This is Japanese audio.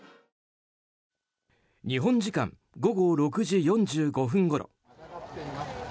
日本時間午後６時４５分ごろ。